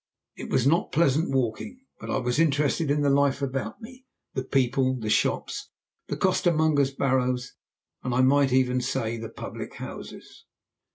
It was not pleasant walking, but I was interested in the life about me the people, the shops, the costermongers' barrows, and I might even say the public houses.